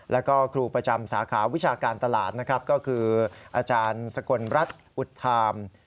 และก็ครูประจำสาขาวิชาการตลาดก็คืออสกลรัฐอุทธาม